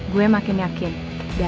gue makin yakin davin pasti suka sama dewi